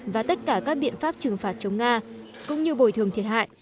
và tất cả các biện pháp trừng phạt chống nga cũng như bồi thường thiệt hại